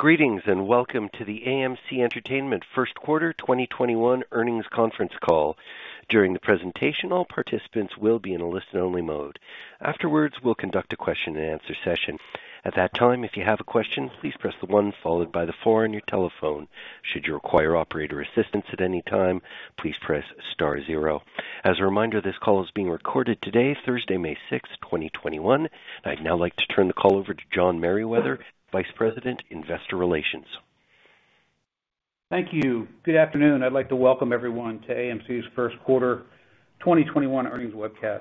Greetings, and welcome to the AMC Entertainment first quarter 2021 earnings conference call. During the presentation, all participants will be in a listen-only mode. Afterwards, we'll conduct a question and answer session. At that time, if you have a question, please press the one followed by the four on your telephone. Should you require operator assistance at any time, please press star zero. As a reminder, this call is being recorded today, Thursday, May 6th, 2021. I'd now like to turn the call over to John Merriwether, Vice President, Investor Relations. Thank you. Good afternoon. I'd like to welcome everyone to AMC's first quarter 2021 earnings webcast.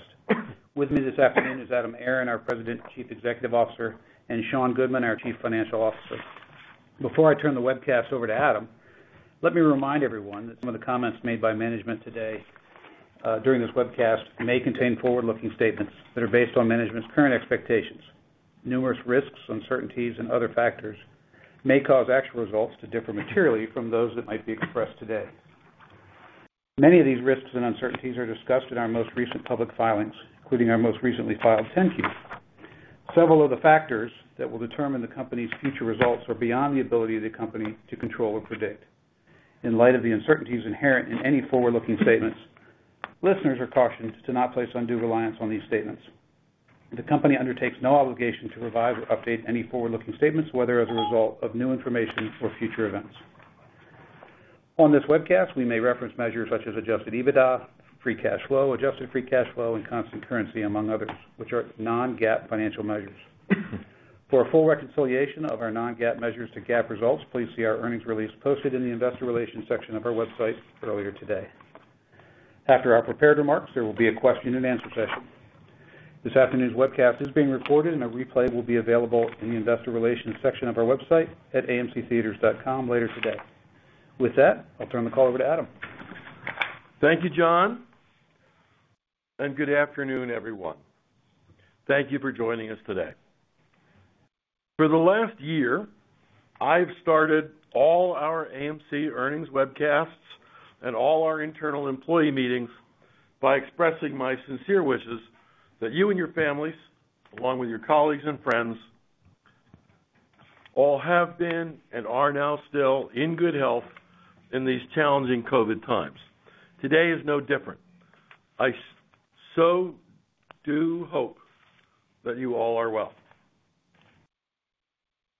With me this afternoon is Adam Aron, our President and Chief Executive Officer, and Sean Goodman, our Chief Financial Officer. Before I turn the webcast over to Adam, let me remind everyone that some of the comments made by management today, during this webcast may contain forward-looking statements that are based on management's current expectations. Numerous risks, uncertainties, and other factors may cause actual results to differ materially from those that might be expressed today. Many of these risks and uncertainties are discussed in our most recent public filings, including our most recently filed 10-Q. Several of the factors that will determine the company's future results are beyond the ability of the company to control or predict. In light of the uncertainties inherent in any forward-looking statements, listeners are cautioned to not place undue reliance on these statements. The company undertakes no obligation to revise or update any forward-looking statements, whether as a result of new information or future events. On this webcast, we may reference measures such as adjusted EBITDA, free cash flow, adjusted free cash flow, and constant currency, among others, which are non-GAAP financial measures. For a full reconciliation of our non-GAAP measures to GAAP results, please see our earnings release posted in the Investor Relations section of our website earlier today. After our prepared remarks, there will be a question and answer session. This afternoon's webcast is being recorded and a replay will be available in the Investor Relations section of our website at amctheatres.com later today. With that, I'll turn the call over to Adam. Thank you, John, good afternoon, everyone. Thank you for joining us today. For the last year, I've started all our AMC earnings webcasts and all our internal employee meetings by expressing my sincere wishes that you and your families, along with your colleagues and friends, all have been and are now still in good health in these challenging COVID times. Today is no different. I so do hope that you all are well.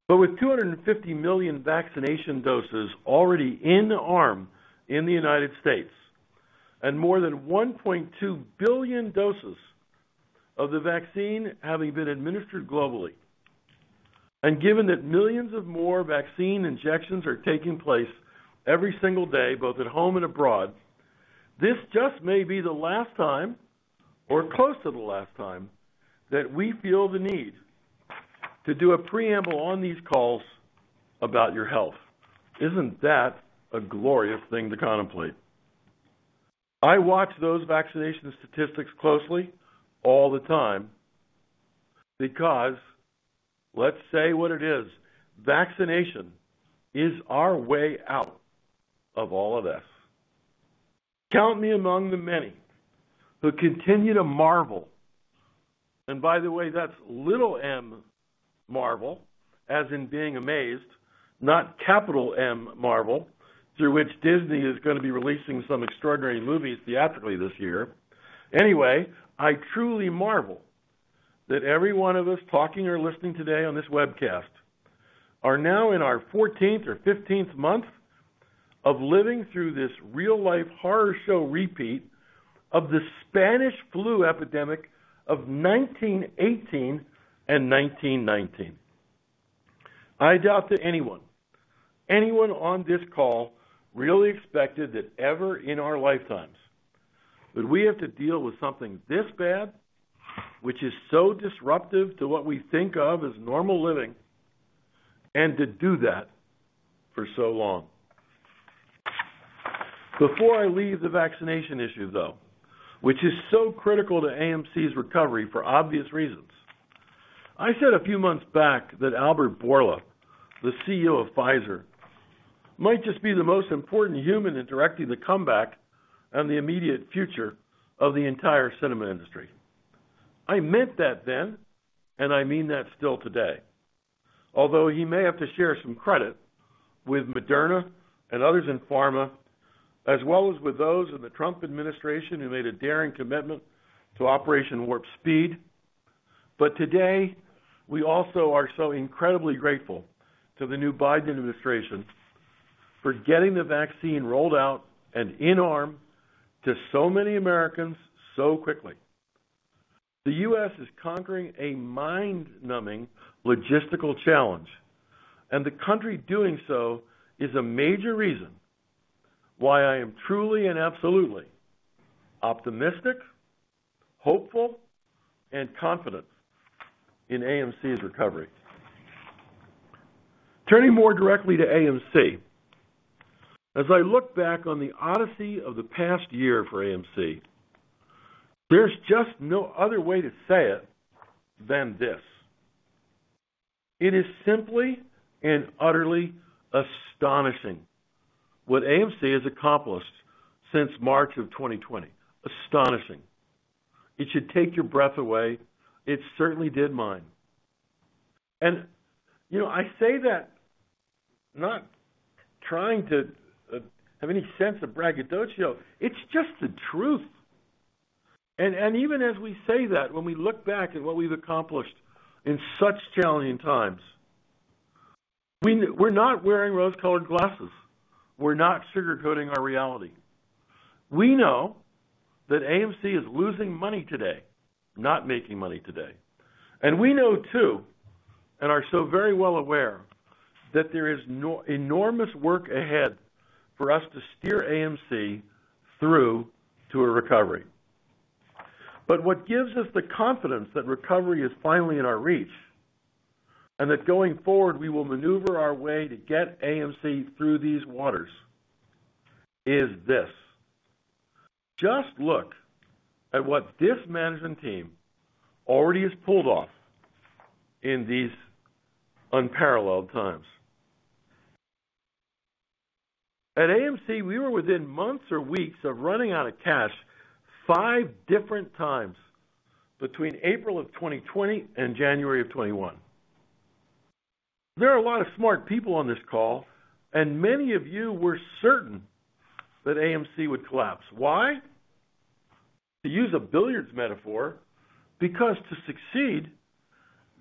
With 250 million vaccination doses already in the arm in the United States, and more than 1.2 billion doses of the vaccine having been administered globally, and given that millions of more vaccine injections are taking place every single day, both at home and abroad, this just may be the last time or close to the last time that we feel the need to do a preamble on these calls about your health. Isn't that a glorious thing to contemplate? I watch those vaccination statistics closely all the time because let's say what it is, vaccination is our way out of all of this. Count me among the many who continue to marvel, and by the way, that's little m marvel, as in being amazed, not capital M Marvel, through which Disney is gonna be releasing some extraordinary movies theatrically this year. Anyway, I truly marvel that every one of us talking or listening today on this webcast are now in our 14th or 15th month of living through this real-life horror show repeat of the Spanish flu epidemic of 1918 and 1919. I doubt that anyone on this call really expected that ever in our lifetimes, that we have to deal with something this bad, which is so disruptive to what we think of as normal living, and to do that for so long. Before I leave the vaccination issue, though, which is so critical to AMC's recovery for obvious reasons, I said a few months back that Albert Bourla, the CEO of Pfizer, might just be the most important human in directing the comeback and the immediate future of the entire cinema industry. I meant that then, and I mean that still today. Although he may have to share some credit with Moderna and others in pharma, as well as with those in the Trump administration who made a daring commitment to Operation Warp Speed. Today, we also are so incredibly grateful to the new Biden administration for getting the vaccine rolled out and in arm to so many Americans so quickly. The U.S. is conquering a mind-numbing logistical challenge, and the country doing so is a major reason why I am truly and absolutely optimistic, hopeful, and confident in AMC's recovery. Turning more directly to AMC, as I look back on the odyssey of the past year for AMC, there's just no other way to say it than this. It is simply and utterly astonishing what AMC has accomplished since March of 2020. Astonishing. It should take your breath away. It certainly did mine. I say that not trying to have any sense of braggadocio. It's just the truth. Even as we say that, when we look back at what we've accomplished in such challenging times, we're not wearing rose-colored glasses. We're not sugarcoating our reality. We know that AMC is losing money today, not making money today. We know too, and are so very well aware, that there is enormous work ahead for us to steer AMC through to a recovery. What gives us the confidence that recovery is finally in our reach, and that going forward, we will maneuver our way to get AMC through these waters, is this. Just look at what this management team already has pulled off in these unparalleled times. At AMC, we were within months or weeks of running out of cash five different times between April of 2020 and January of 2021. There are a lot of smart people on this call, and many of you were certain that AMC would collapse. Why? To use a billiards metaphor, because to succeed,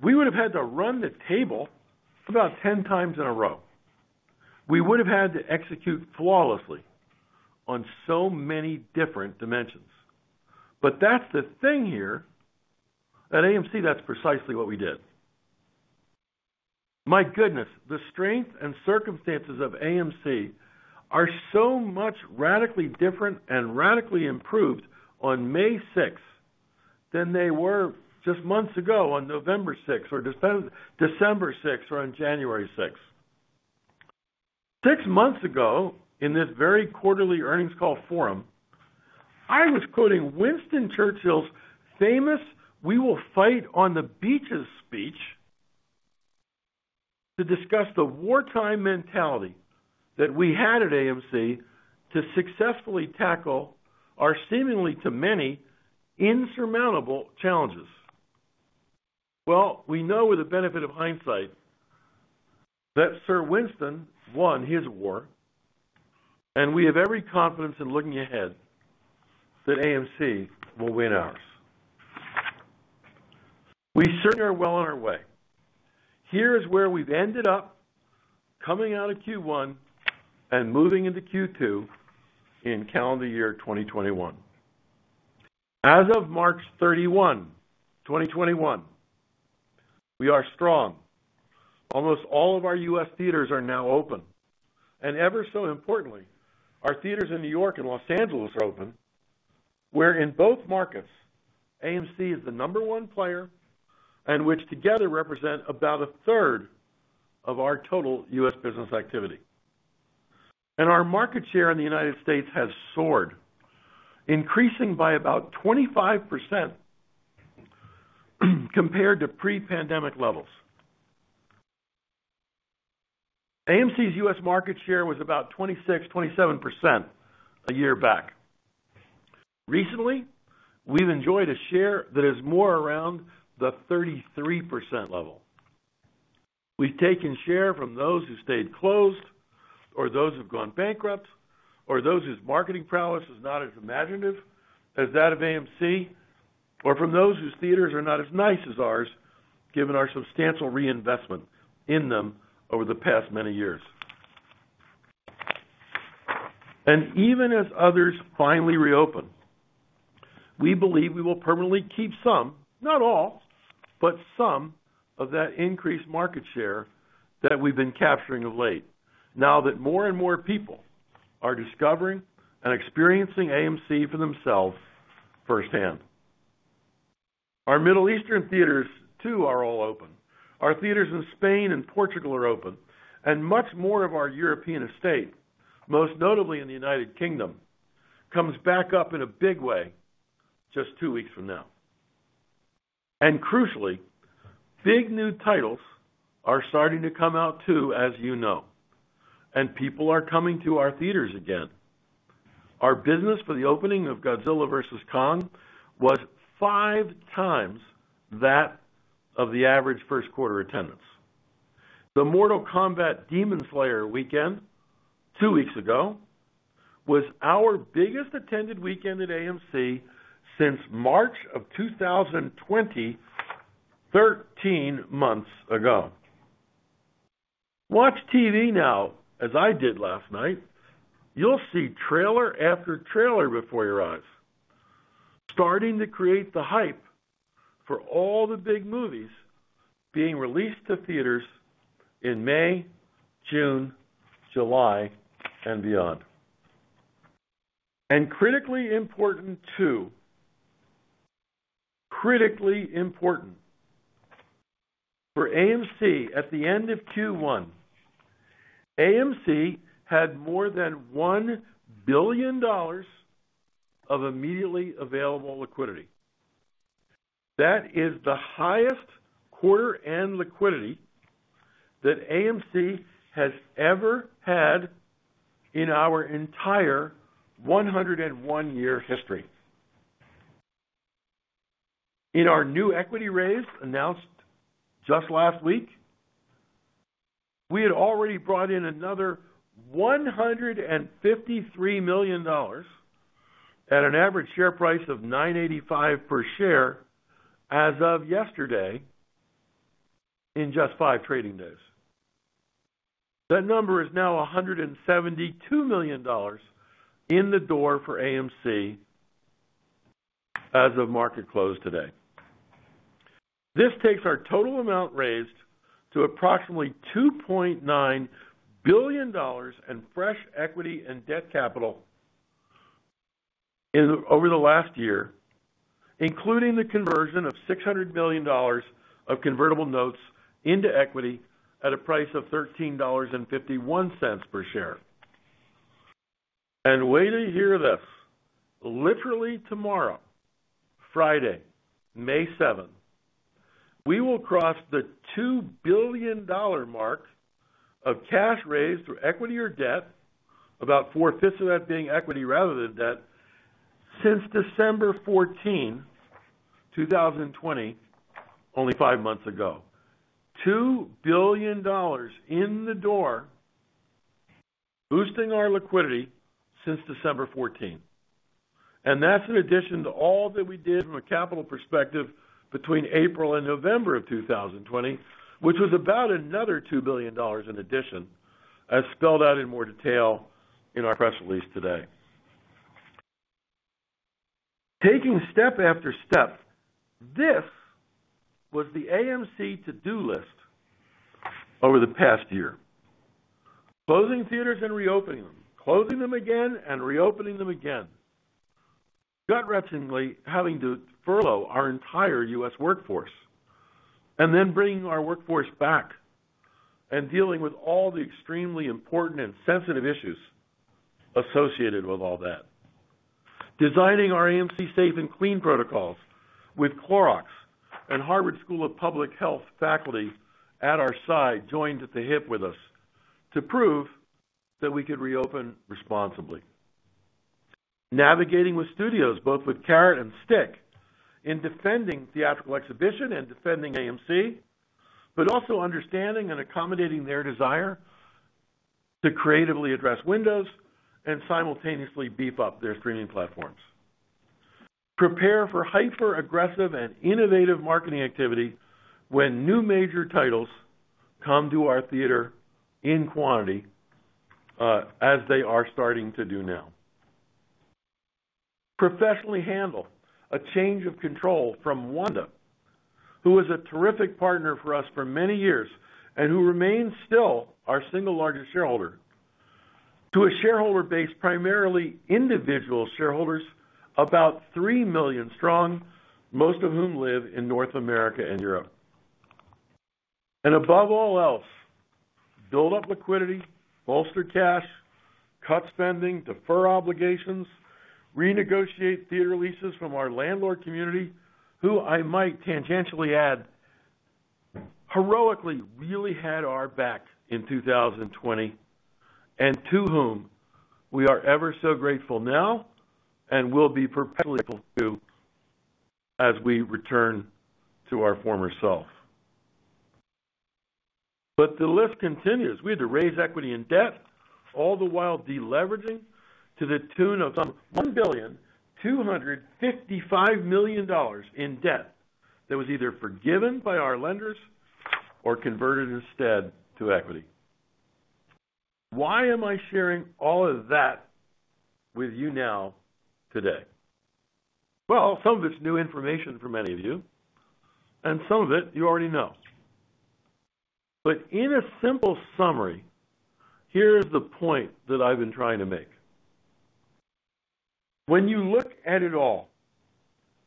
we would have had to run the table about 10 times in a row. We would have had to execute flawlessly on so many different dimensions. That's the thing here, at AMC, that's precisely what we did. My goodness, the strength and circumstances of AMC are so much radically different and radically improved on May 6th than they were just months ago on November 6th or December 6th or on January 6th. Six months ago, in this very quarterly earnings call forum, I was quoting Winston Churchill's famous, "We will fight on the beaches" speech to discuss the wartime mentality that we had at AMC to successfully tackle our seemingly, to many, insurmountable challenges. We know with the benefit of hindsight that Sir Winston won his war, and we have every confidence in looking ahead that AMC will win ours. We certainly are well on our way. Here is where we've ended up coming out of Q1 and moving into Q2 in calendar year 2021. As of March 31, 2021, we are strong. Almost all of our U.S. theaters are now open, and ever so importantly, our theaters in New York and Los Angeles are open, where in both markets, AMC is the number one player, and which together represent about a third of our total U.S. business activity. Our market share in the United States has soared, increasing by about 25% compared to pre-pandemic levels. AMC's U.S. market share was about 26%, 27% a year back. Recently, we've enjoyed a share that is more around the 33% level. We've taken share from those who stayed closed or those who've gone bankrupt, or those whose marketing prowess is not as imaginative as that of AMC, or from those whose theaters are not as nice as ours, given our substantial reinvestment in them over the past many years. Even as others finally reopen, we believe we will permanently keep some, not all, but some of that increased market share that we've been capturing of late, now that more and more people are discovering and experiencing AMC for themselves firsthand. Our Middle Eastern theaters, too, are all open. Our theaters in Spain and Portugal are open, and much more of our European estate, most notably in the United Kingdom, comes back up in a big way just two weeks from now. Crucially, big new titles are starting to come out, too, as you know, and people are coming to our theaters again. Our business for the opening of Godzilla vs. Kong was five times that of the average first quarter attendance. The Mortal Kombat/Demon Slayer weekend, two weeks ago, was our biggest attended weekend at AMC since March of 2020, 13 months ago. Watch TV now, as I did last night. You'll see trailer after trailer before your eyes, starting to create the hype for all the big movies being released to theaters in May, June, July, and beyond. Critically important, too, critically important for AMC at the end of Q1, AMC had more than $1 billion of immediately available liquidity. That is the highest quarter end liquidity that AMC has ever had in our entire 101-year history. In our new equity raise announced just last week, we had already brought in another $153 million at an average share price of $9.85 per share as of yesterday in just five trading days. That number is now $172 million in the door for AMC as of market close today. This takes our total amount raised to approximately $2.9 billion in fresh equity and debt capital over the last year, including the conversion of $600 million of convertible notes into equity at a price of $13.51 per share. Wait till you hear this. Literally tomorrow, Friday, May 7th, we will cross the $2 billion mark of cash raised through equity or debt, about four-fifths of that being equity rather than debt, since December 14, 2020, only five months ago. $2 billion in the door, boosting our liquidity since December 14. That's in addition to all that we did from a capital perspective between April and November of 2020, which was about another $2 billion in addition, as spelled out in more detail in our press release today. Taking step after step, this was the AMC to-do list over the past year. Closing theaters and reopening them, closing them again and reopening them again. Gut-wrenchingly having to furlough our entire U.S. workforce, then bringing our workforce back and dealing with all the extremely important and sensitive issues associated with all that. Designing our AMC Safe & Clean protocols with Clorox and Harvard School of Public Health faculty at our side, joined at the hip with us to prove that we could reopen responsibly. Navigating with studios, both with carrot and stick, in defending theatrical exhibition and defending AMC, but also understanding and accommodating their desire to creatively address windows and simultaneously beef up their streaming platforms. Prepare for hyper-aggressive and innovative marketing activity when new major titles come to our theater in quantity as they are starting to do now. Professionally handle a change of control from Wanda, who was a terrific partner for us for many years and who remains still our single largest shareholder, to a shareholder base, primarily individual shareholders, about three million strong, most of whom live in North America and Europe. Above all else, build up liquidity, bolster cash, cut spending, defer obligations, renegotiate theater leases from our landlord community, who I might tangentially add, heroically really had our back in 2020, and to whom we are ever so grateful now and will be perpetually grateful to as we return to our former self. The list continues. We had to raise equity and debt, all the while de-leveraging to the tune of some $1.255 billion in debt that was either forgiven by our lenders or converted instead to equity. Why am I sharing all of that with you now today? Well, some of it's new information for many of you, and some of it you already know. In a simple summary, here is the point that I've been trying to make. When you look at it all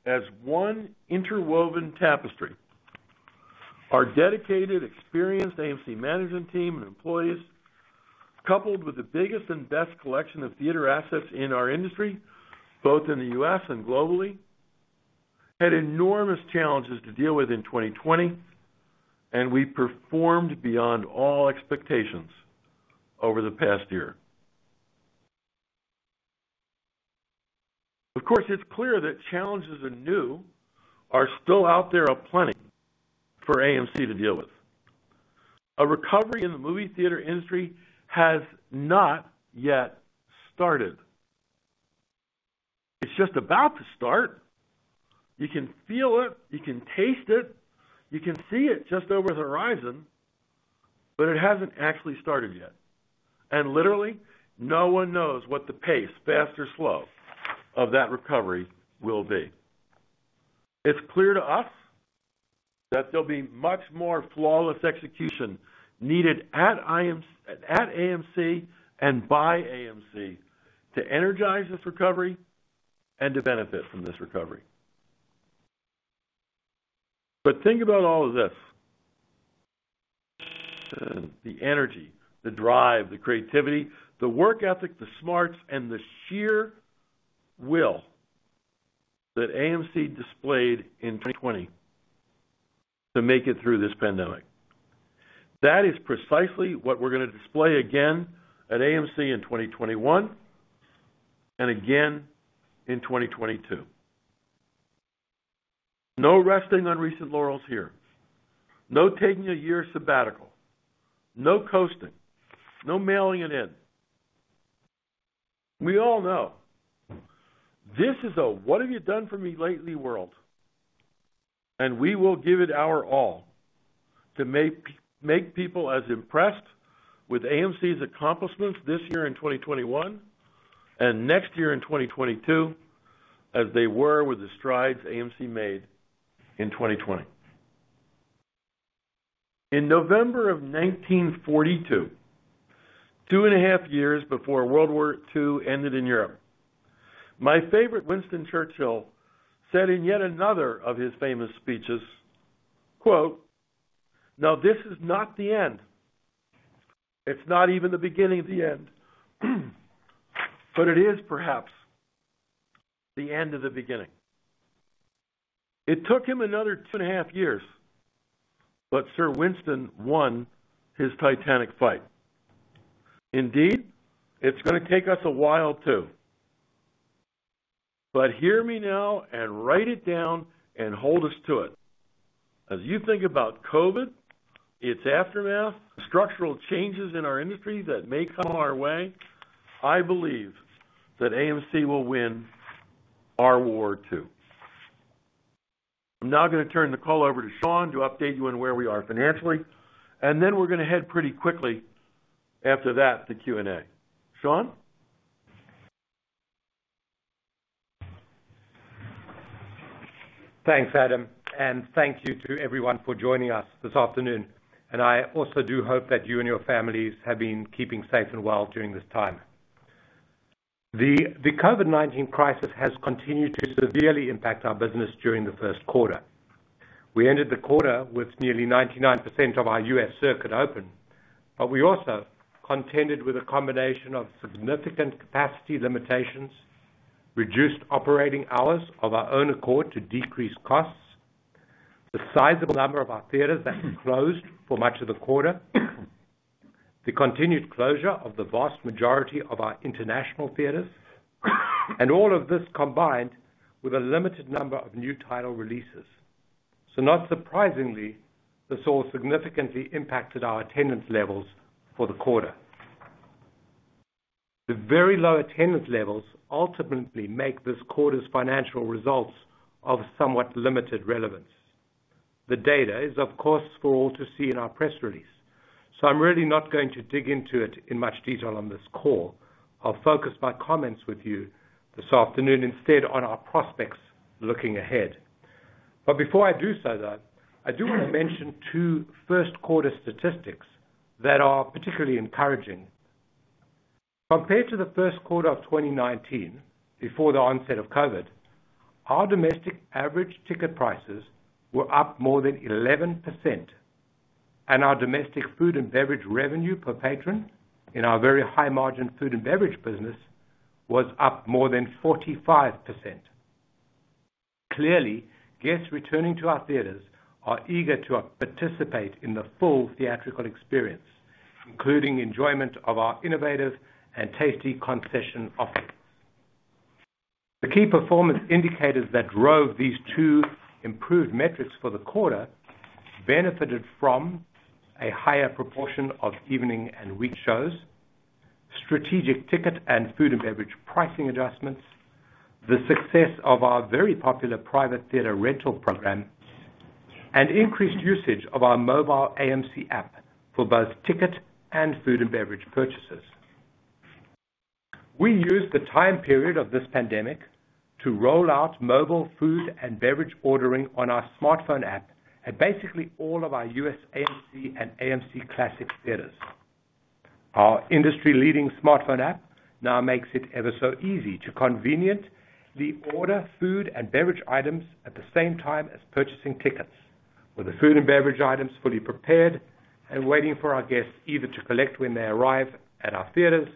as one interwoven tapestry, our dedicated, experienced AMC management team and employees, coupled with the biggest and best collection of theater assets in our industry, both in the U.S. and globally, had enormous challenges to deal with in 2020. We performed beyond all expectations over the past year. Of course, it's clear that challenges anew are still out there aplenty for AMC to deal with. A recovery in the movie theater industry has not yet started. It's just about to start. You can feel it. You can taste it. You can see it just over the horizon, but it hasn't actually started yet. Literally, no one knows what the pace, fast or slow, of that recovery will be. It's clear to us that there'll be much more flawless execution needed at AMC and by AMC to energize this recovery and to benefit from this recovery. Think about all of this. The energy, the drive, the creativity, the work ethic, the smarts, and the sheer will that AMC displayed in 2020 to make it through this pandemic. That is precisely what we're going to display again at AMC in 2021, and again in 2022. No resting on recent laurels here. No taking a year sabbatical. No coasting. No mailing it in. We all know this is a what have you done for me lately world. We will give it our all to make people as impressed with AMC's accomplishments this year in 2021 and next year in 2022 as they were with the strides AMC made in 2020. In November of 1942, 2.5 years before World War II ended in Europe, my favorite, Winston Churchill, said in yet another of his famous speeches, quote, "Now this is not the end. It's not even the beginning of the end. But it is perhaps the end of the beginning." It took him another two and a half years, but Sir Winston won his titanic fight. Indeed, it's going to take us a while too. Hear me now and write it down and hold us to it. As you think about COVID, its aftermath, the structural changes in our industry that may come our way, I believe that AMC will win our war, too. I'm now going to turn the call over to Sean to update you on where we are financially, and then we're going to head pretty quickly after that to Q&A. Sean? Thanks, Adam. Thank you to everyone for joining us this afternoon. I also do hope that you and your families have been keeping safe and well during this time. The COVID-19 crisis has continued to severely impact our business during the first quarter. We ended the quarter with nearly 99% of our U.S. circuit open, but we also contended with a combination of significant capacity limitations, reduced operating hours of our own accord to decrease costs, the sizable number of our theaters that closed for much of the quarter, the continued closure of the vast majority of our international theaters, and all of this combined with a limited number of new title releases. Not surprisingly, this all significantly impacted our attendance levels for the quarter. The very low attendance levels ultimately make this quarter's financial results of somewhat limited relevance. The data is, of course, for all to see in our press release. I'm really not going to dig into it in much detail on this call. I'll focus my comments with you this afternoon instead on our prospects looking ahead. Before I do so, though, I do want to mention two first-quarter statistics that are particularly encouraging. Compared to the first quarter of 2019, before the onset of COVID, our domestic average ticket prices were up more than 11%, and our domestic food and beverage revenue per patron in our very high-margin food and beverage business was up more than 45%. Clearly, guests returning to our theaters are eager to participate in the full theatrical experience, including enjoyment of our innovative and tasty concession offerings. The key performance indicators that drove these two improved metrics for the quarter benefited from a higher proportion of evening and week shows, strategic ticket and food and beverage pricing adjustments, the success of our very popular private theater rental program, and increased usage of our mobile AMC app for both ticket and food and beverage purchases. We used the time period of this pandemic to roll out mobile food and beverage ordering on our smartphone app at basically all of our U.S. AMC and AMC Classic theaters. Our industry-leading smartphone app now makes it ever so easy to conveniently order food and beverage items at the same time as purchasing tickets, with the food and beverage items fully prepared and waiting for our guests either to collect when they arrive at our theaters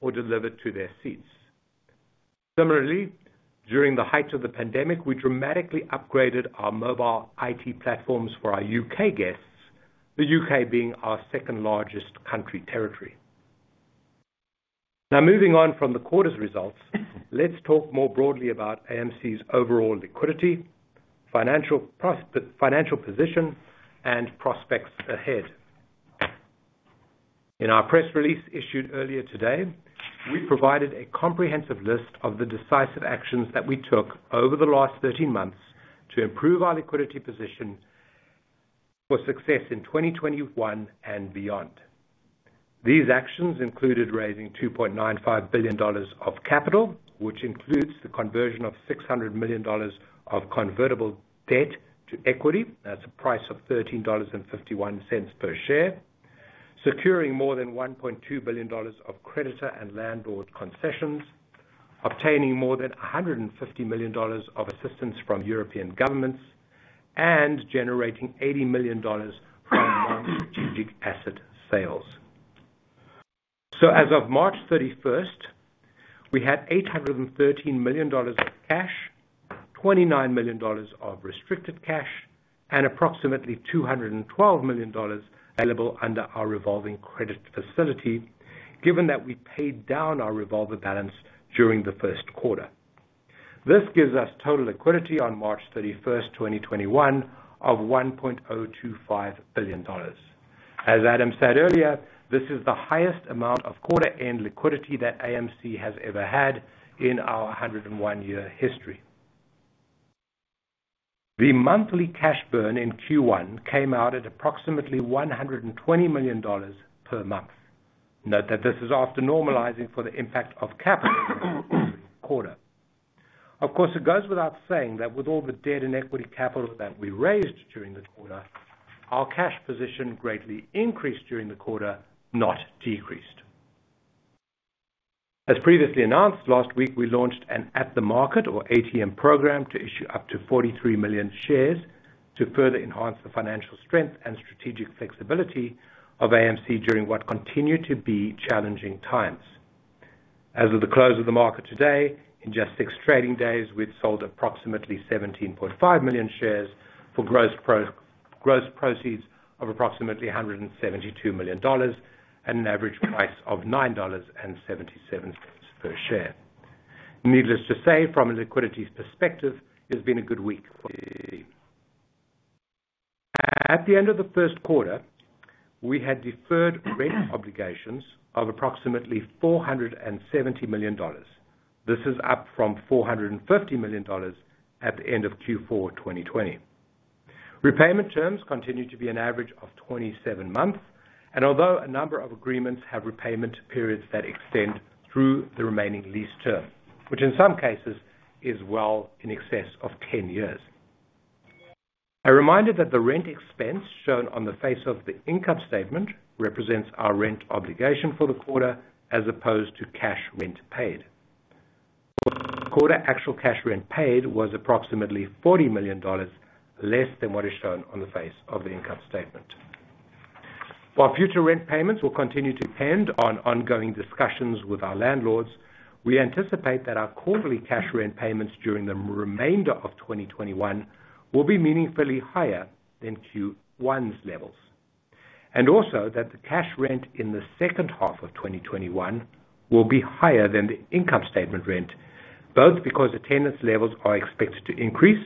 or delivered to their seats. Similarly, during the height of the pandemic, we dramatically upgraded our mobile IT platforms for our U.K. guests, the U.K. being our second-largest country territory. Moving on from the quarter's results, let's talk more broadly about AMC's overall liquidity, financial position, and prospects ahead. In our press release issued earlier today, we provided a comprehensive list of the decisive actions that we took over the last 13 months to improve our liquidity position for success in 2021 and beyond. These actions included raising $2.95 billion of capital, which includes the conversion of $600 million of convertible debt to equity. That's a price of $13.51 per share. Securing more than $1.2 billion of creditor and landlord concessions. Obtaining more than $150 million of assistance from European governments and generating $80 million from non-strategic asset sales. As of March 31st, we had $813 million of cash, $29 million of restricted cash, and approximately $212 million available under our revolving credit facility, given that we paid down our revolver balance during the first quarter. This gives us total liquidity on March 31st, 2021 of $1.025 billion. As Adam said earlier, this is the highest amount of quarter-end liquidity that AMC has ever had in our 101-year history. The monthly cash burn in Q1 came out at approximately $120 million per month. Note that this is after normalizing for the impact of capital in the quarter. Of course, it goes without saying that with all the debt and equity capital that we raised during the quarter, our cash position greatly increased during the quarter, not decreased. As previously announced, last week, we launched an at-the-market or ATM program to issue up to 43 million shares to further enhance the financial strength and strategic flexibility of AMC during what continue to be challenging times. As of the close of the market today, in just six trading days, we had sold approximately 17.5 million shares for gross proceeds of approximately $172 million at an average price of $9.77 per share. Needless to say, from a liquidity perspective, it has been a good week for AMC. At the end of the first quarter, we had deferred rent obligations of approximately $470 million. This is up from $450 million at the end of Q4 2020. Repayment terms continue to be an average of 27 months. Although a number of agreements have repayment periods that extend through the remaining lease term, which in some cases is well in excess of 10 years. A reminder that the rent expense shown on the face of the income statement represents our rent obligation for the quarter as opposed to cash rent paid. For the quarter, actual cash rent paid was approximately $40 million less than what is shown on the face of the income statement. While future rent payments will continue to depend on ongoing discussions with our landlords, we anticipate that our quarterly cash rent payments during the remainder of 2021 will be meaningfully higher than Q1's levels. Also that the cash rent in the second half of 2021 will be higher than the income statement rent, both because attendance levels are expected to increase,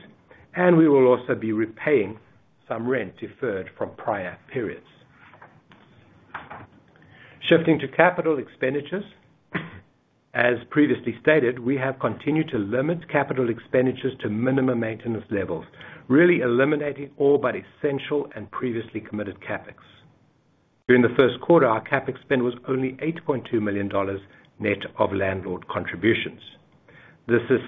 and we will also be repaying some rent deferred from prior periods. Shifting to capital expenditures. As previously stated, we have continued to limit capital expenditures to minimum maintenance levels, really eliminating all but essential and previously committed CapEx. During the first quarter, our CapEx spend was only $8.2 million net of landlord contributions. This is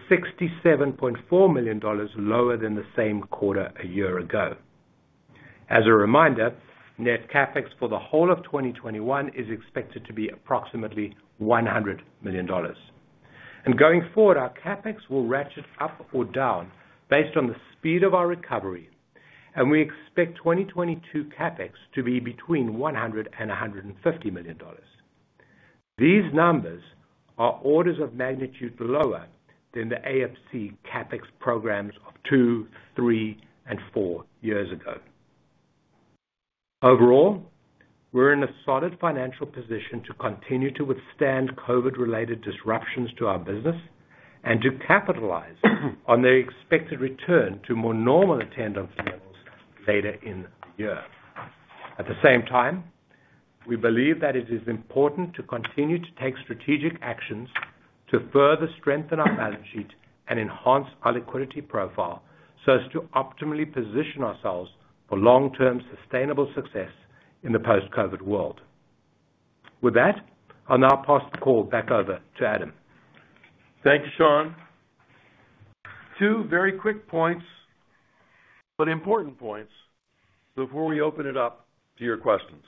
$67.4 million lower than the same quarter a year ago. As a reminder, net CapEx for the whole of 2021 is expected to be approximately $100 million. Going forward, our CapEx will ratchet up or down based on the speed of our recovery, and we expect 2022 CapEx to be between $100 million and $150 million. These numbers are orders of magnitude lower than the AMC CapEx programs of two, three, and four years ago. Overall, we're in a solid financial position to continue to withstand COVID-related disruptions to our business and to capitalize on the expected return to more normal attendance levels later in the year. At the same time, we believe that it is important to continue to take strategic actions to further strengthen our balance sheet and enhance our liquidity profile so as to optimally position ourselves for long-term sustainable success in the post-COVID world. With that, I'll now pass the call back over to Adam. Thank you, Sean. Two very quick points, important points before we open it up to your questions.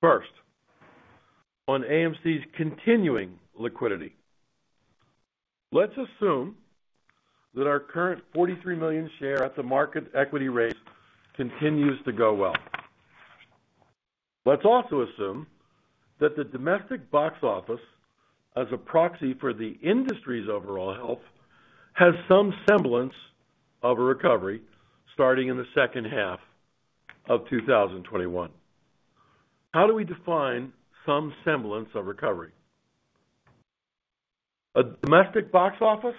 First, on AMC's continuing liquidity. Let's assume that our current 43 million share at the market equity raise continues to go well. Let's also assume that the domestic box office, as a proxy for the industry's overall health, has some semblance of a recovery starting in the second half of 2021. How do we define some semblance of recovery? A domestic box office,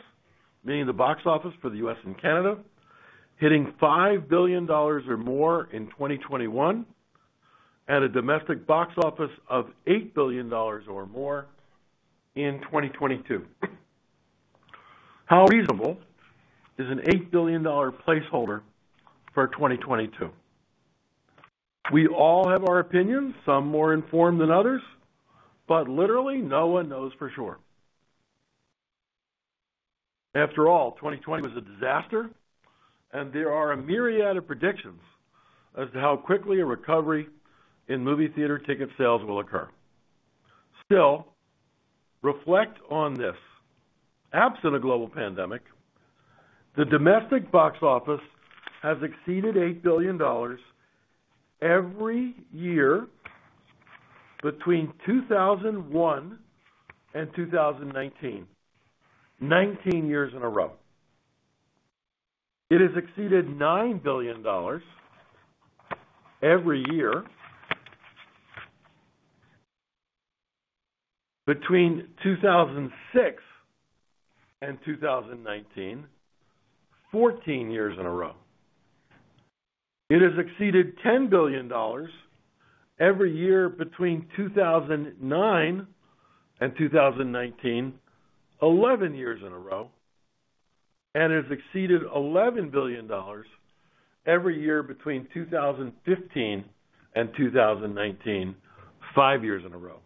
meaning the box office for the U.S. and Canada, hitting $5 billion or more in 2021, and a domestic box office of $8 billion or more in 2022. How reasonable is an $8 billion placeholder for 2022? We all have our opinions, some more informed than others, but literally no one knows for sure. After all, 2020 was a disaster, and there are a myriad of predictions as to how quickly a recovery in movie theater ticket sales will occur. Still, reflect on this. Absent a global pandemic, the domestic box office has exceeded $8 billion every year between 2001 and 2019, 19 years in a row. It has exceeded $9 billion every year between 2006 and 2019, 14 years in a row. It has exceeded $10 billion every year between 2009 and 2019, 11 years in a row. Has exceeded $11 billion every year between 2015 and 2019, five years in a row.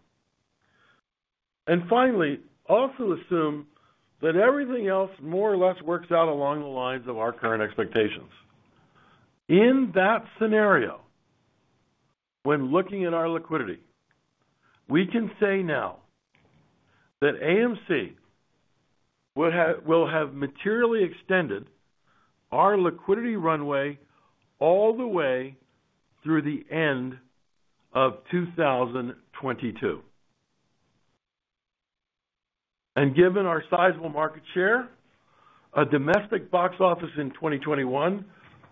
Finally, also assume that everything else more or less works out along the lines of our current expectations. In that scenario, when looking at our liquidity, we can say now that AMC will have materially extended our liquidity runway all the way through the end of 2022. Given our sizable market share, a domestic box office in 2021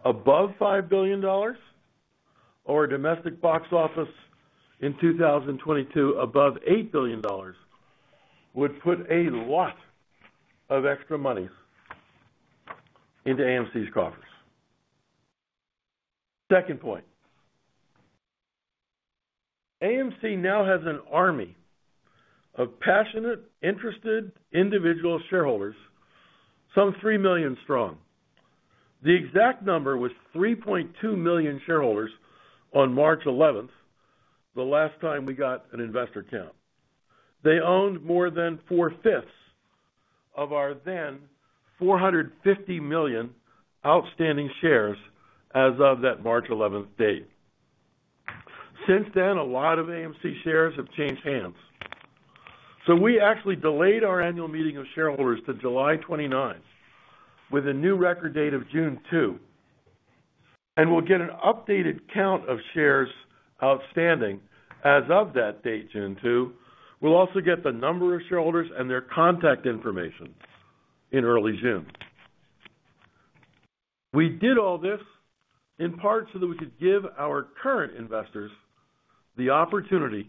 above $5 billion or a domestic box office in 2022 above $8 billion would put a lot of extra monies into AMC's coffers. Second point. AMC now has an army of passionate, interested individual shareholders, some 3 million strong. The exact number was 3.2 million shareholders on March 11, the last time we got an investor count. They owned more than four-fifths of our then 450 million outstanding shares as of that March 11 date. Since then, a lot of AMC shares have changed hands. We actually delayed our annual meeting of shareholders to July 29th with a new record date of June 2, and we'll get an updated count of shares outstanding as of that date, June 2. We'll also get the number of shareholders and their contact information in early June. We did all this in part so that we could give our current investors the opportunity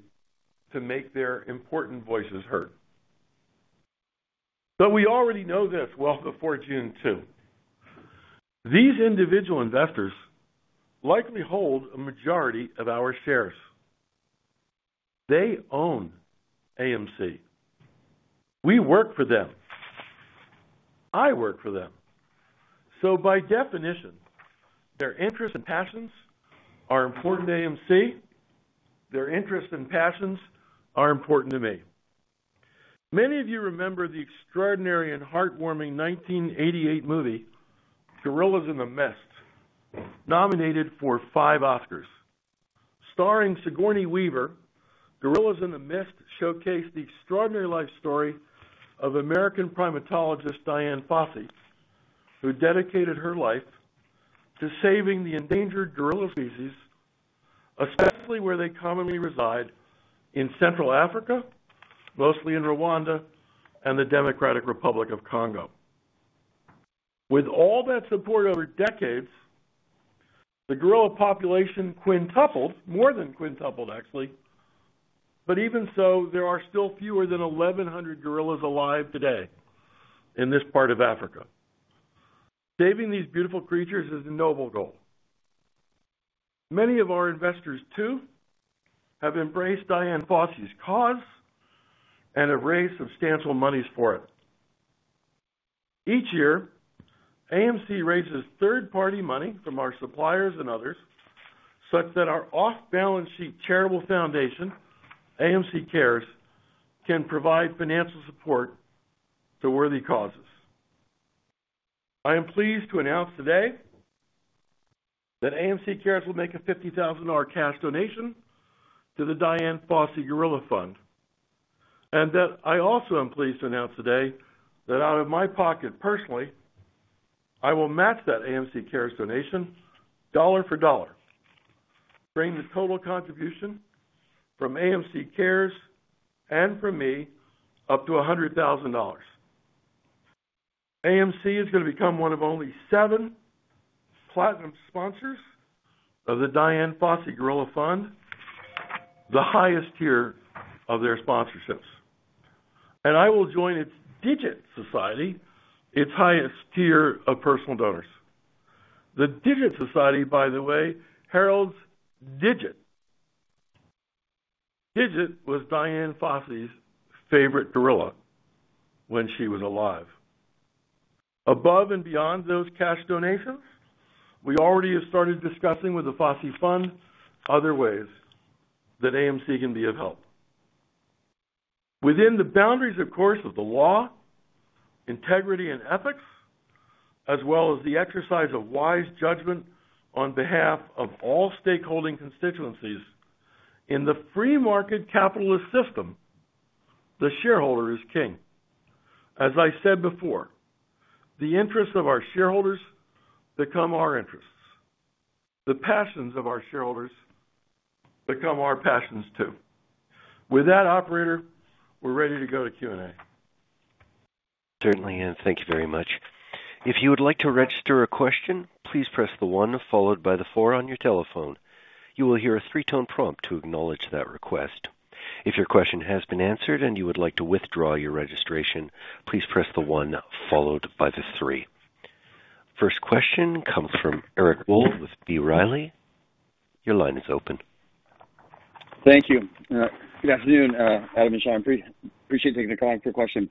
to make their important voices heard. We already know this well before June 2. These individual investors likely hold a majority of our shares. They own AMC. We work for them. I work for them. By definition, their interests and passions are important to AMC. Their interests and passions are important to me. Many of you remember the extraordinary and heartwarming 1988 movie, "Gorillas in the Mist," nominated for five Oscars. Starring Sigourney Weaver, "Gorillas in the Mist" showcased the extraordinary life story of American primatologist Dian Fossey, who dedicated her life to saving the endangered gorilla species, especially where they commonly reside in Central Africa, mostly in Rwanda and the Democratic Republic of Congo. With all that support over decades, the gorilla population quintupled, more than quintupled actually. Even so, there are still fewer than 1,100 gorillas alive today in this part of Africa. Saving these beautiful creatures is a noble goal. Many of our investors too have embraced Dian Fossey's cause and have raised substantial monies for it. Each year, AMC raises third-party money from our suppliers and others such that our off-balance sheet charitable foundation, AMC Cares, can provide financial support to worthy causes. I am pleased to announce today that AMC Cares will make a $50,000 cash donation to the Dian Fossey Gorilla Fund, and that I also am pleased to announce today that out of my pocket personally, I will match that AMC Cares donation dollar for dollar, bringing the total contribution from AMC Cares and from me up to $100,000. AMC is going to become one of only seven platinum sponsors of the Dian Fossey Gorilla Fund, the highest tier of their sponsorships. I will join its Digit Society, its highest tier of personal donors. The Digit Society, by the way, heralds Digit. Digit was Dian Fossey's favorite gorilla when she was alive. Above and beyond those cash donations, we already have started discussing with the Fossey Fund other ways that AMC can be of help. Within the boundaries, of course, of the law, integrity, and ethics, as well as the exercise of wise judgment on behalf of all stakeholding constituencies, in the free market capitalist system, the shareholder is king. As I said before, the interests of our shareholders become our interests. The passions of our shareholders become our passions, too. With that, operator, we're ready to go to Q&A. Certainly, thank you very much. If you would like to register a question, please press the one followed by the four on your telephone. You will hear a three-tone prompt to acknowledge that request. If your question has been answered and you would like to withdraw your registration, please press the one followed by the three. First question comes from Eric Wold with B. Riley. Your line is open. Thank you. Good afternoon, Adam and Sean. Appreciate you taking the time for the question.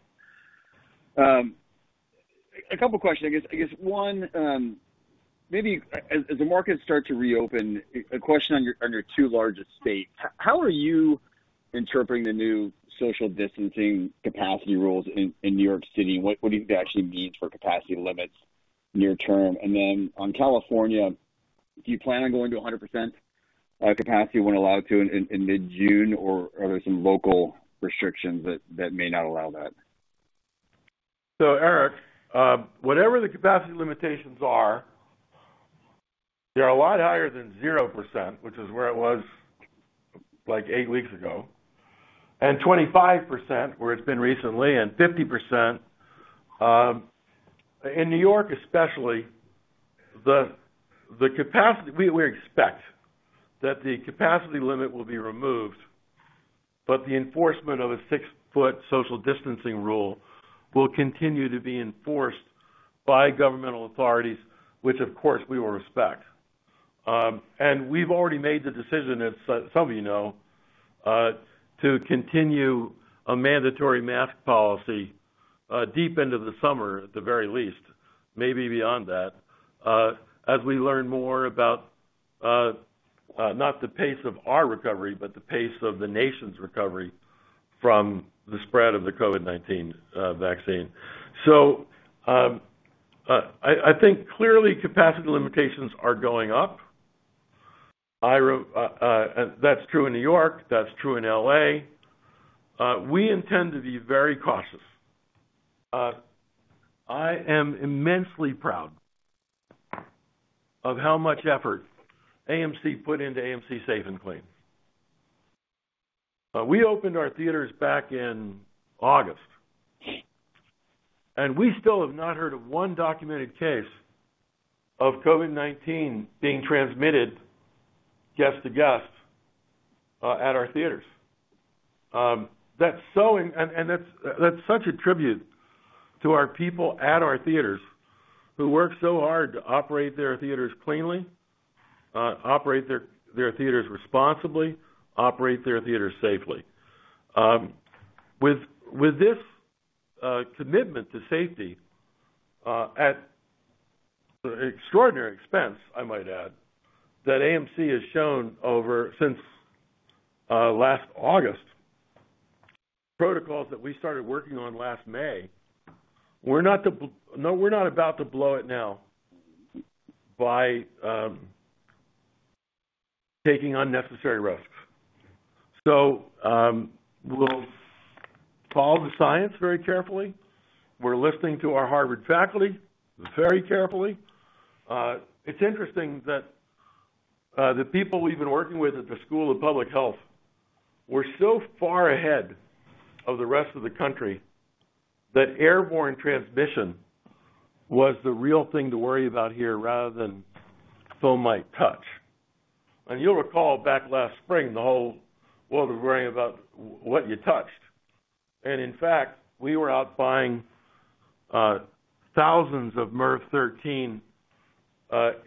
A couple questions. I guess one, as the markets start to reopen, a question on your two largest states. How are you interpreting the new social distancing capacity rules in New York City? What do you think that actually means for capacity limits near-term? On California, do you plan on going to 100% capacity when allowed to in mid-June, or are there some local restrictions that may not allow that? Eric, whatever the capacity limitations are, they're a lot higher than 0%, which is where it was eight weeks ago, and 25%, where it's been recently, and 50%. In New York, especially, we expect that the capacity limit will be removed, but the enforcement of a six-foot social distancing rule will continue to be enforced by governmental authorities, which of course, we will respect. We've already made the decision, as some of you know, to continue a mandatory mask policy deep into the summer, at the very least, maybe beyond that, as we learn more about not the pace of our recovery, but the pace of the nation's recovery from the spread of the COVID-19 vaccine. I think clearly capacity limitations are going up. That's true in New York, that's true in L.A. We intend to be very cautious. I am immensely proud of how much effort AMC put into AMC Safe & Clean. We opened our theaters back in August, and we still have not heard of one documented case of COVID-19 being transmitted guest to guest at our theaters. That's such a tribute to our people at our theaters who work so hard to operate their theaters cleanly, operate their theaters responsibly, operate their theaters safely. With this commitment to safety, at extraordinary expense, I might add, that AMC has shown since last August, protocols that we started working on last May, we're not about to blow it now by taking unnecessary risks. We'll follow the science very carefully. We're listening to our Harvard faculty very carefully. It's interesting that the people we've been working with at the School of Public Health were so far ahead of the rest of the country that airborne transmission was the real thing to worry about here rather than fomite touch. You'll recall back last spring, the whole world was worrying about what you touched. In fact, we were out buying thousands of MERV 13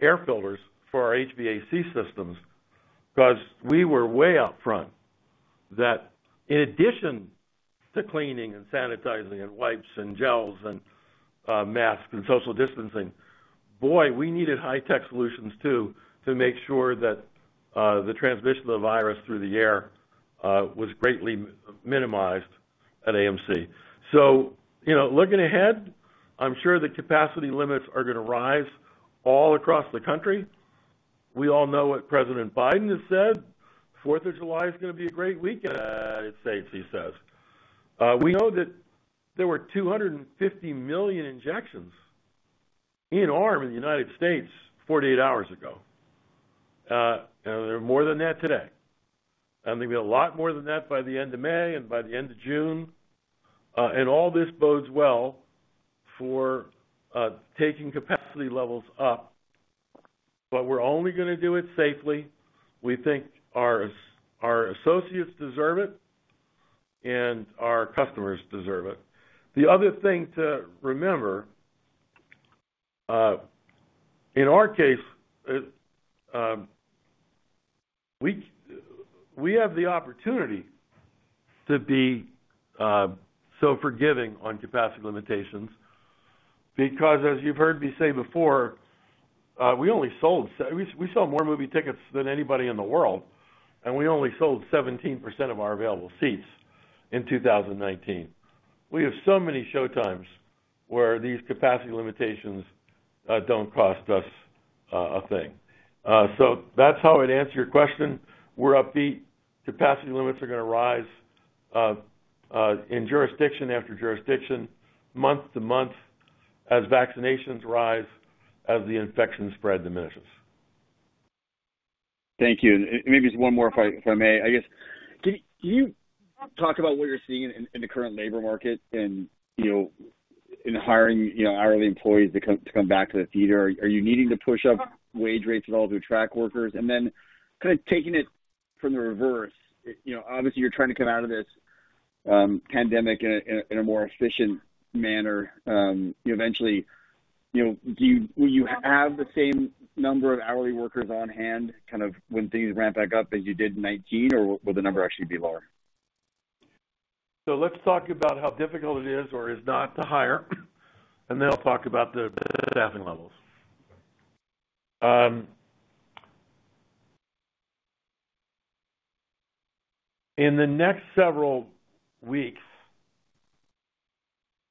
air filters for our HVAC systems because we were way out front that in addition to cleaning and sanitizing and wipes and gels and masks and social distancing, boy, we needed high-tech solutions too to make sure that the transmission of the virus through the air was greatly minimized at AMC. Looking ahead, I'm sure the capacity limits are going to rise all across the country. We all know what President Biden has said. Fourth of July is going to be a great weekend in the United States, he says. We know that there were 250 million injections in arm in the United States 48 hours ago. There are more than that today. There'll be a lot more than that by the end of May and by the end of June. All this bodes well for taking capacity levels up, but we're only gonna do it safely. We think our associates deserve it and our customers deserve it. The other thing to remember, in our case, we have the opportunity to be so forgiving on capacity limitations. Because as you've heard me say before, we sell more movie tickets than anybody in the world, and we only sold 17% of our available seats in 2019. We have so many showtimes where these capacity limitations don't cost us a thing. That's how I'd answer your question. We're upbeat. Capacity limits are going to rise in jurisdiction after jurisdiction, month to month, as vaccinations rise, as the infection spread diminishes. Thank you. Maybe just one more, if I may. I guess, can you talk about what you're seeing in the current labor market in hiring hourly employees to come back to the theater? Are you needing to push up wage rates at all to attract workers? Kind of taking it from the reverse, obviously you're trying to come out of this pandemic in a more efficient manner. Eventually, will you have the same number of hourly workers on hand when things ramp back up as you did in 2019, or will the number actually be lower? Let's talk about how difficult it is or is not to hire, and then I'll talk about the staffing levels. In the next several weeks,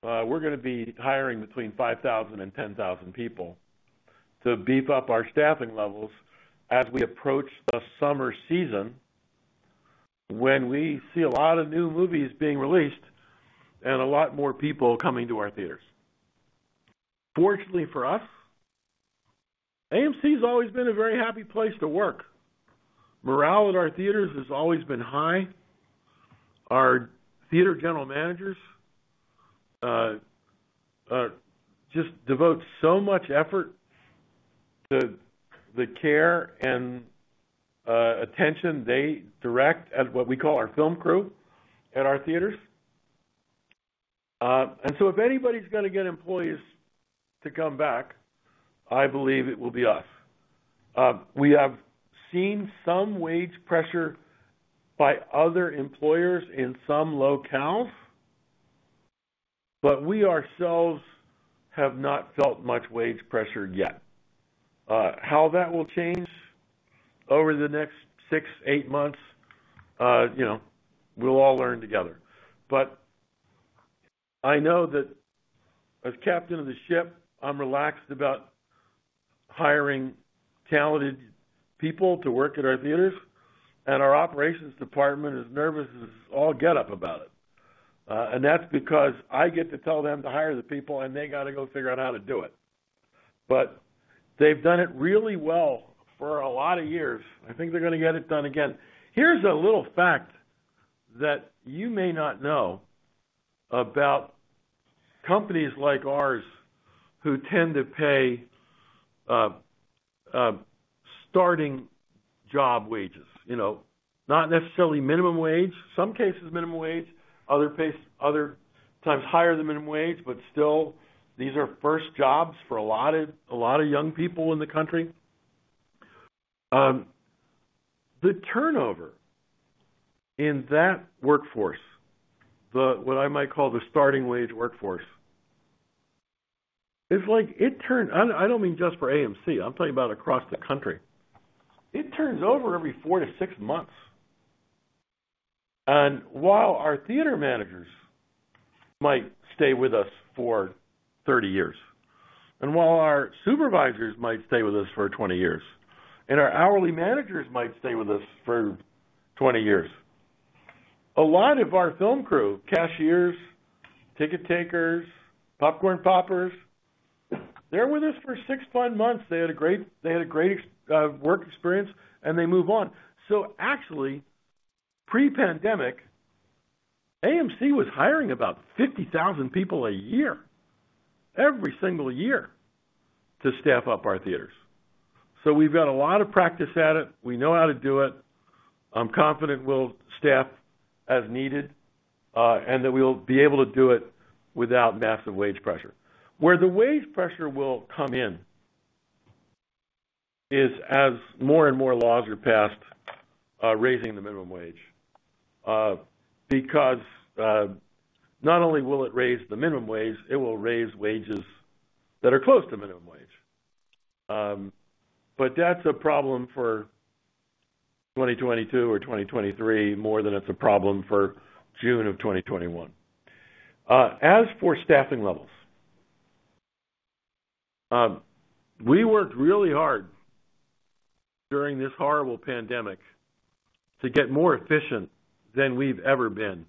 we're gonna be hiring between 5,000 and 10,000 people to beef up our staffing levels as we approach the summer season, when we see a lot of new movies being released and a lot more people coming to our theaters. Fortunately for us, AMC has always been a very happy place to work. Morale at our theaters has always been high. Our theater general managers just devote so much effort to the care and attention they direct at what we call our film crew at our theaters. If anybody's gonna get employees to come back, I believe it will be us. We have seen some wage pressure by other employers in some locales. We ourselves have not felt much wage pressure yet. How that will change over the next six, eight months, we'll all learn together. I know that as captain of the ship, I'm relaxed about hiring talented people to work at our theaters, and our operations department is nervous as all get up about it. That's because I get to tell them to hire the people, and they got to go figure out how to do it. They've done it really well for a lot of years. I think they're gonna get it done again. Here's a little fact that you may not know about companies like ours who tend to pay starting job wages. Not necessarily minimum wage. Some cases minimum wage, other times higher than minimum wage, but still, these are first jobs for a lot of young people in the country. The turnover in that workforce, what I might call the starting wage workforce, I don't mean just for AMC, I'm talking about across the country. It turns over every four to six months. And while our theater managers might stay with us for 30 years, and while our supervisors might stay with us for 20 years, and our hourly managers might stay with us for 20 years, a lot of our film crew, cashiers, ticket takers, popcorn poppers, they're with us for six fun months. They had a great work experience, and they move on. So actually, pre-pandemic, AMC was hiring about 50,000 people a year, every single year, to staff up our theaters. So we've got a lot of practice at it. We know how to do it. I'm confident we'll staff as needed, that we'll be able to do it without massive wage pressure. Where the wage pressure will come in is as more and more laws are passed, raising the minimum wage. Not only will it raise the minimum wage, it will raise wages that are close to minimum wage. That's a problem for 2022 or 2023 more than it's a problem for June of 2021. As for staffing levels, we worked really hard during this horrible pandemic to get more efficient than we've ever been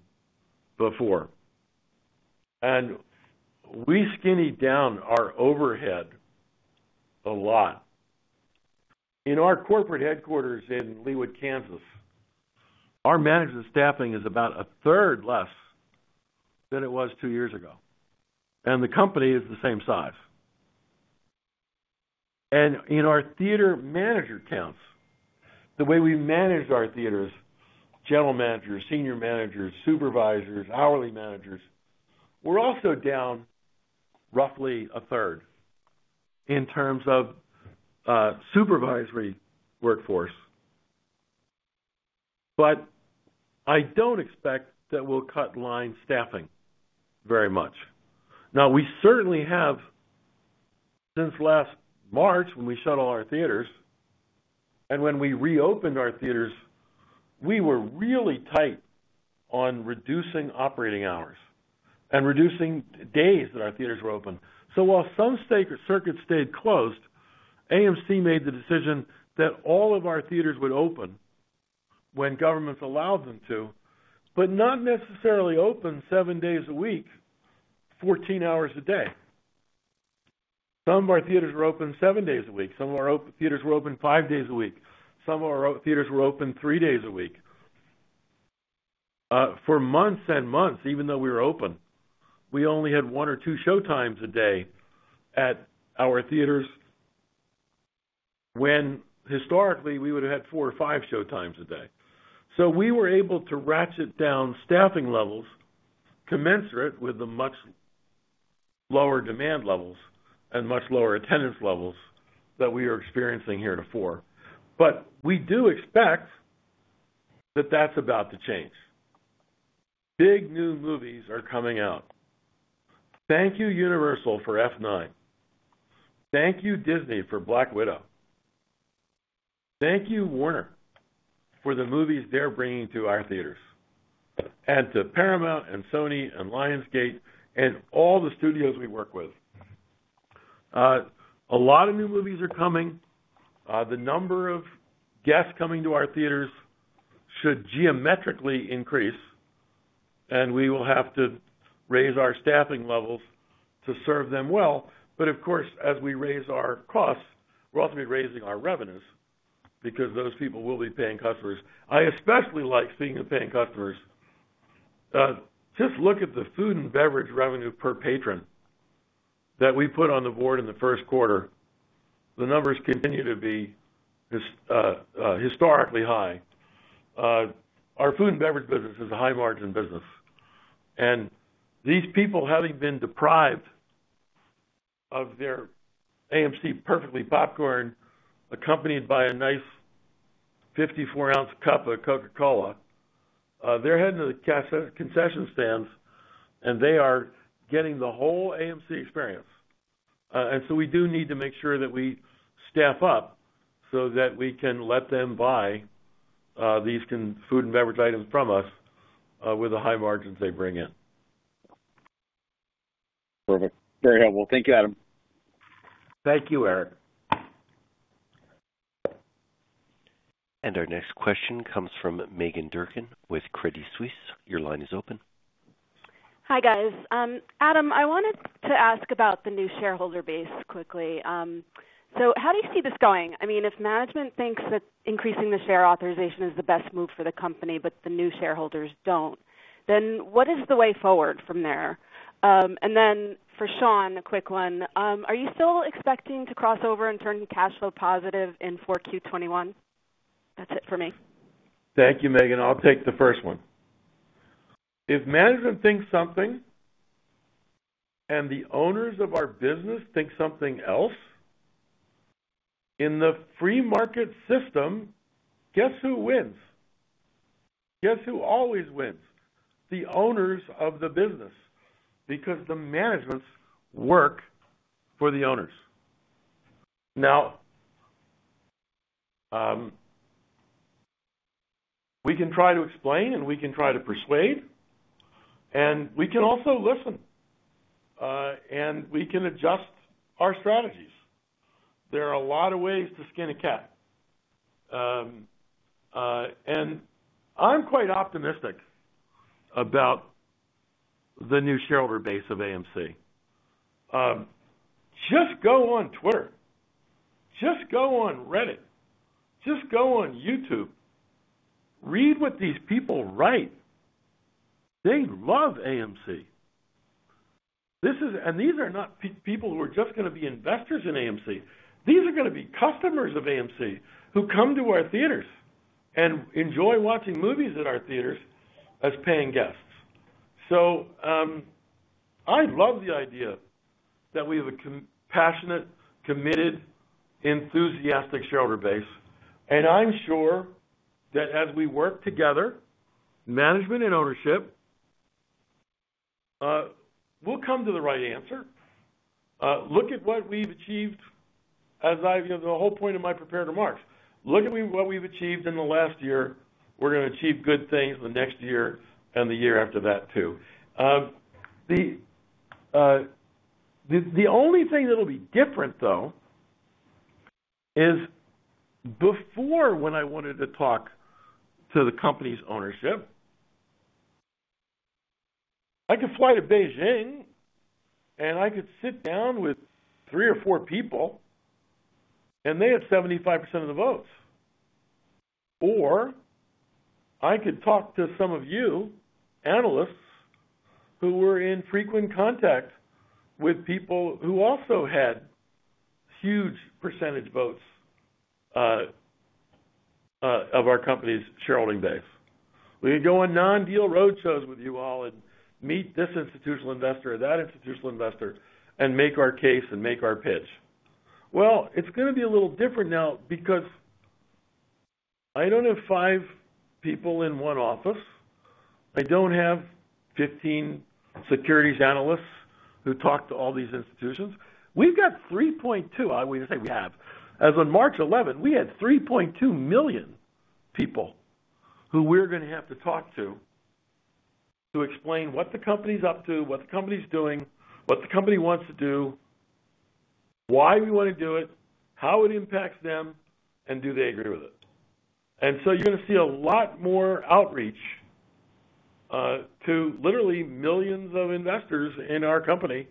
before. We skinnied down our overhead a lot. In our corporate headquarters in Leawood, Kansas, our management staffing is about a third less than it was two years ago, the company is the same size. In our theater manager counts, the way we manage our theaters, general managers, senior managers, supervisors, hourly managers, we're also down roughly a third in terms of supervisory workforce. I don't expect that we'll cut line staffing very much. We certainly have, since last March when we shut all our theaters and when we reopened our theaters, we were really tight on reducing operating hours and reducing days that our theaters were open. While some circuits stayed closed, AMC made the decision that all of our theaters would open when governments allowed them to, but not necessarily open seven days a week, 14 hours a day. Some of our theaters were open seven days a week. Some of our theaters were open five days a week. Some of our theaters were open three days a week. For months and months, even though we were open, we only had one or two showtimes a day at our theaters when historically we would've had four or five showtimes a day. We were able to ratchet down staffing levels commensurate with the much lower demand levels and much lower attendance levels that we were experiencing heretofore. We do expect that that's about to change. Big new movies are coming out. Thank you, Universal, for F9. Thank you, Disney, for Black Widow. Thank you, Warner, for the movies they're bringing to our theaters, and to Paramount and Sony and Lionsgate and all the studios we work with. A lot of new movies are coming. The number of guests coming to our theaters should geometrically increase, and we will have to raise our staffing levels to serve them well. Of course, as we raise our costs, we'll also be raising our revenues because those people will be paying customers. I especially like seeing them paying customers. Just look at the food and beverage revenue per patron that we put on the board in the first quarter. The numbers continue to be historically high. Our food and beverage business is a high-margin business. These people, having been deprived of their AMC Perfectly Popcorn accompanied by a nice 54-ounce cup of Coca-Cola, they're heading to the concession stands, and they are getting the whole AMC experience. We do need to make sure that we staff up so that we can let them buy these food and beverage items from us with the high margins they bring in. Perfect. Very helpful. Thank you, Adam. Thank you, Eric. Our next question comes from Meghan Durkin with Credit Suisse. Your line is open. Hi, guys. Adam, I wanted to ask about the new shareholder base quickly. How do you see this going? If management thinks that increasing the share authorization is the best move for the company, but the new shareholders don't, then what is the way forward from there? For Sean, a quick one. Are you still expecting to cross over and turn cash flow positive in Q4 2021? That's it for me. Thank you, Meghan. I'll take the first one. If management thinks something and the owners of our business think something else, in the free market system, guess who wins? Guess who always wins? The owners of the business, because the managements work for the owners. Now, we can try to explain, and we can try to persuade, and we can also listen. We can adjust our strategies. There are a lot of ways to skin a cat. I'm quite optimistic about the new shareholder base of AMC. Just go on Twitter. Just go on Reddit. Just go on YouTube. Read what these people write. They love AMC. These are not people who are just going to be investors in AMC. These are going to be customers of AMC who come to our theaters and enjoy watching movies at our theaters as paying guests. I love the idea that we have a passionate, committed, enthusiastic shareholder base, and I'm sure that as we work together, management and ownership, we'll come to the right answer. Look at what we've achieved as the whole point of my prepared remarks. Look at what we've achieved in the last year. We're going to achieve good things in the next year and the year after that, too. The only thing that'll be different, though, is before when I wanted to talk to the company's ownership, I could fly to Beijing and I could sit down with three or four people and they have 75% of the votes. I could talk to some of you, analysts, who were in frequent contact with people who also had huge percentage votes of our company's shareholding base. We would go on non-deal roadshows with you all and meet this institutional investor or that institutional investor and make our case and make our pitch. It's going to be a little different now because I don't have five people in one office. I don't have 15 securities analysts who talk to all these institutions. I wouldn't say we have. As of March 11, we had 3.2 million people who we're going to have to talk to explain what the company's up to, what the company's doing, what the company wants to do, why we want to do it, how it impacts them, and do they agree with it. You're going to see a lot more outreach, to literally millions of investors in our company,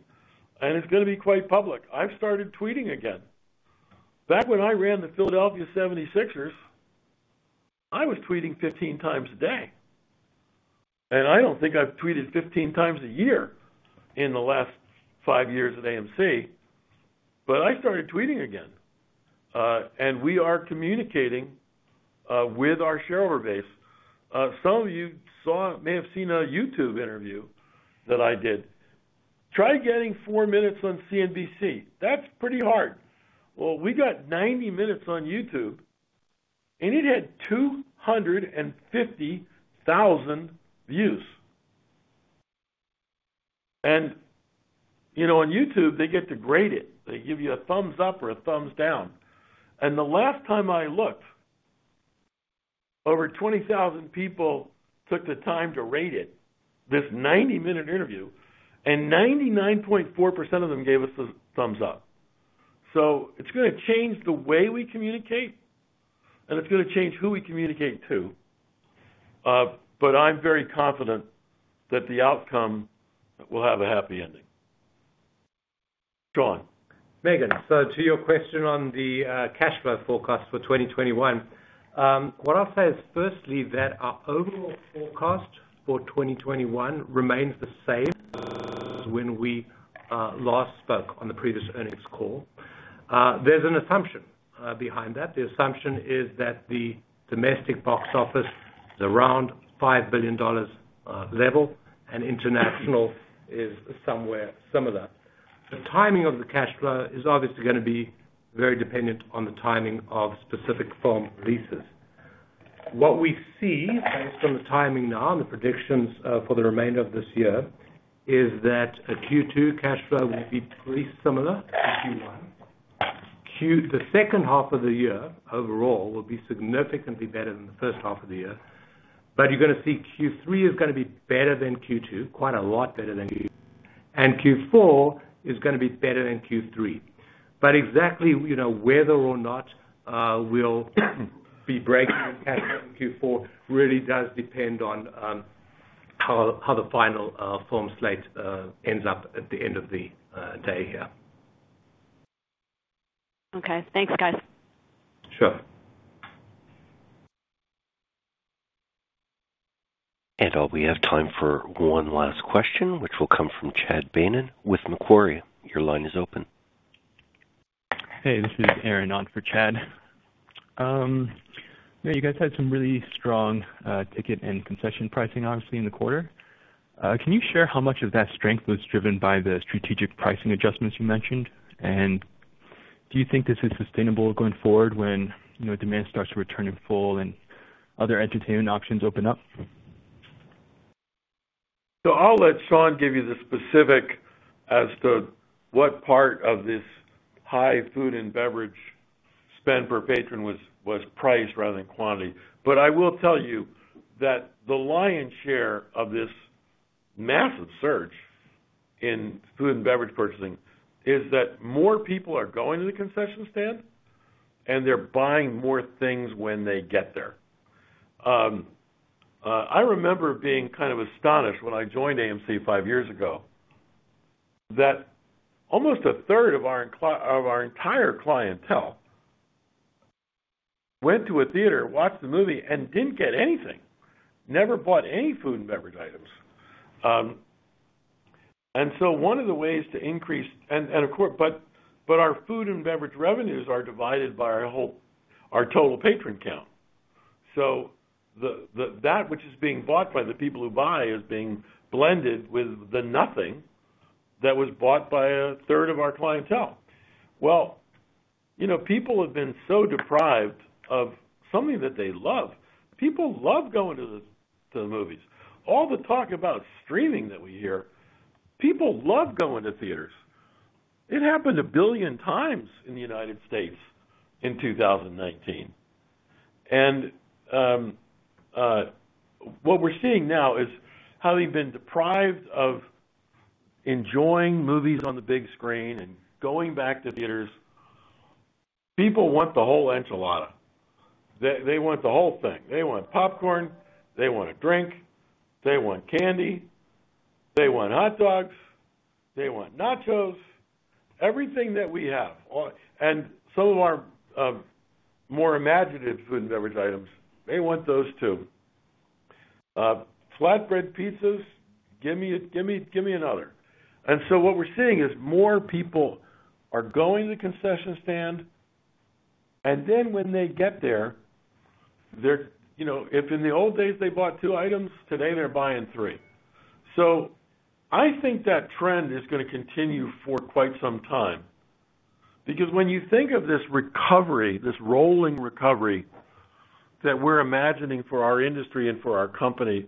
and it's going to be quite public. I've started tweeting again. Back when I ran the Philadelphia 76ers, I was tweeting 15 times a day, and I don't think I've tweeted 15 times a year in the last five years at AMC, but I started tweeting again. We are communicating with our shareholder base. Some of you may have seen a YouTube interview that I did. Try getting four minutes on CNBC. That's pretty hard. Well, we got 90 minutes on YouTube, and it had 250,000 views. On YouTube, they get to grade it. They give you a thumbs up or a thumbs down. The last time I looked, over 20,000 people took the time to rate it, this 90-minute interview, and 99.4% of them gave us a thumbs up. It's going to change the way we communicate, and it's going to change who we communicate to. I'm very confident that the outcome will have a happy ending. Sean. Meghan, to your question on the cash flow forecast for 2021. What I'll say is firstly, that our overall forecast for 2021 remains the same as when we last spoke on the previous earnings call. There's an assumption behind that. The assumption is that the domestic box office is around $5 billion level, international is somewhere similar. The timing of the cash flow is obviously going to be very dependent on the timing of specific film releases. What we see based on the timing now and the predictions for the remainder of this year is that a Q2 cash flow will be pretty similar to Q1. The second half of the year overall will be significantly better than the first half of the year, you're going to see Q3 is going to be better than Q2, quite a lot better than Q2. Q4 is going to be better than Q3. Exactly whether or not we'll be breaking cash in Q4 really does depend on how the final film slate ends up at the end of the day here. Okay, thanks, guys. Sure. We have time for one last question, which will come from Chad Beynon with Macquarie. Your line is open. Hey, this is Aaron on for Chad. You guys had some really strong ticket and concession pricing, obviously, in the quarter. Can you share how much of that strength was driven by the strategic pricing adjustments you mentioned? Do you think this is sustainable going forward when demand starts to return in full and other entertainment options open up? I'll let Sean give you the specific as to what part of this high food and beverage spend per patron was priced rather than quantity. I will tell you that the lion's share of this massive surge in food and beverage purchasing is that more people are going to the concession stand and they're buying more things when they get there. I remember being kind of astonished when I joined AMC five years ago, that almost a third of our entire clientele went to a theater, watched the movie, and didn't get anything, never bought any food and beverage items. One of the ways to increase-- but our food and beverage revenues are divided by our total patron count. That which is being bought by the people who buy is being blended with the nothing that was bought by a third of our clientele. Well, people have been so deprived of something that they love. People love going to the movies. All the talk about streaming that we hear, people love going to theaters. It happened 1 billion times in the United States in 2019. What we're seeing now is, having been deprived of enjoying movies on the big screen and going back to theaters, people want the whole enchilada. They want the whole thing. They want popcorn, they want a drink, they want candy, they want hot dogs, they want nachos, everything that we have. Some of our more imaginative food and beverage items, they want those too. Flatbread pizzas, give me another. What we're seeing is more people are going to the concession stand. Then when they get there, if in the old days they bought two items, today they're buying three. I think that trend is going to continue for quite some time, because when you think of this recovery, this rolling recovery that we're imagining for our industry and for our company,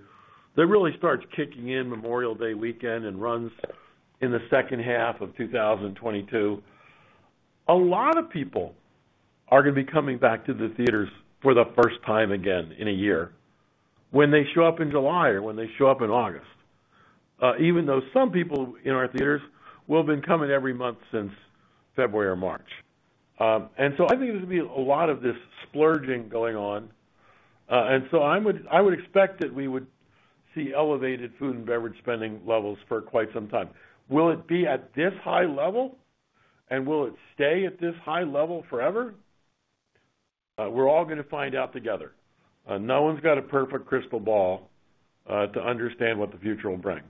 that really starts kicking in Memorial Day weekend and runs in the second half of 2022. A lot of people are going to be coming back to the theaters for the first time again in a year, when they show up in July or when they show up in August. Even though some people in our theaters will have been coming every month since February or March. I think there's going to be a lot of this splurging going on. I would expect that we would see elevated food and beverage spending levels for quite some time. Will it be at this high level? Will it stay at this high level forever? We're all going to find out together. No one's got a perfect crystal ball to understand what the future will bring.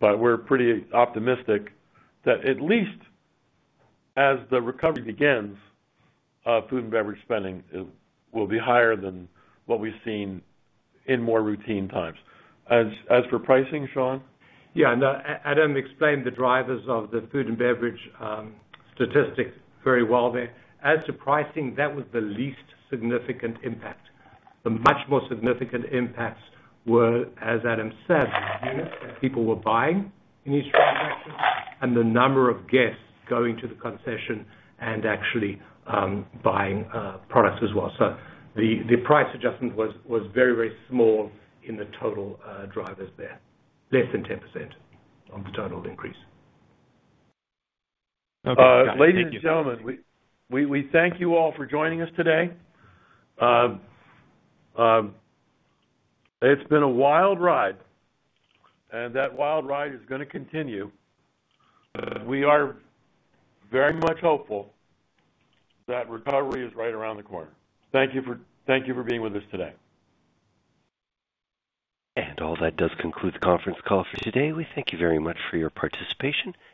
We're pretty optimistic that at least as the recovery begins, food and beverage spending will be higher than what we've seen in more routine times. As for pricing, Sean? Yeah, no. Adam explained the drivers of the food and beverage statistics very well there. As to pricing, that was the least significant impact. The much more significant impacts were, as Adam said, the units that people were buying in each transaction and the number of guests going to the concession and actually buying products as well. The price adjustment was very small in the total drivers there. Less than 10% on the total increase. Ladies and gentlemen, we thank you all for joining us today. It's been a wild ride, and that wild ride is going to continue. We are very much hopeful that recovery is right around the corner. Thank you for being with us today. All that does conclude the conference call for today. We thank you very much for your participation.